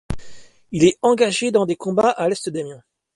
Il est engagé dans des combats à l’est d’Amiens.